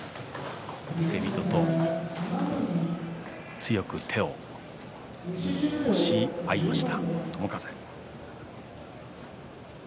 付け人と強く手を押し合いました。